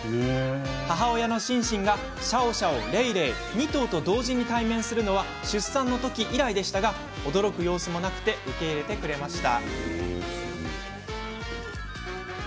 母親のシンシンがシャオシャオ、レイレイ２頭と同時に対面するのは出産のとき以来でしたが驚く様子もなく受け入れてくれました。